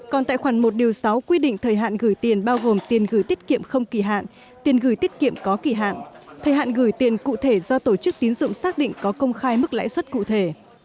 còn tại khoản một sáu quy định thời hạn gửi tiền bao gồm tiền gửi tiết kiệm không kỳ hạn tiền gửi tiết kiệm có kỳ hạn thời hạn gửi tiền cụ thể do tổ chức tín dụng xác định có công khai mức lãi suất cụ thể